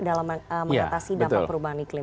dalam mengatasi dampak perubahan iklim